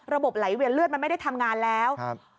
ระบบไหลเวียนเลือดมันไม่ได้ทำงานแล้ว